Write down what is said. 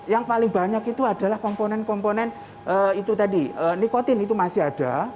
yang paling banyak itu adalah komponen komponen itu tadi nikotin itu masih ada